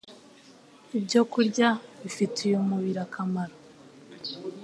ibyokurya bifitiye gusa umubiri akamaro,